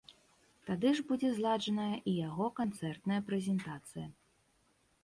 Тады ж будзе зладжаная і яго канцэртная прэзентацыя.